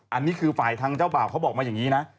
อันนี้คือฝ่ายทางเจ้าบ่าวเขาบอกมาอย่างนี้นะ